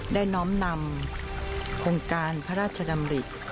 น้อมนำโครงการพระราชดำริ